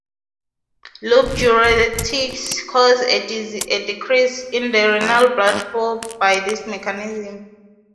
Loop diuretics cause a decrease in the renal blood flow by this mechanism.